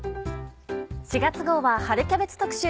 ４月号は春キャベツ特集。